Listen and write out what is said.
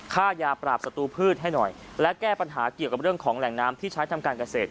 ค่ายาปราบศัตรูพืชให้หน่อยและแก้ปัญหาเกี่ยวกับเรื่องของแหล่งน้ำที่ใช้ทำการเกษตร